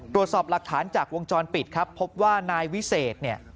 ตรวจสอบหลักฐานจากวงจรปิดครับพบว่านายวิเศษเนี่ย